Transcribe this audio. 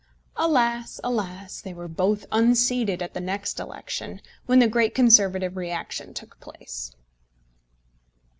Alas! alas! They were both unseated at the next election, when the great Conservative reaction took place.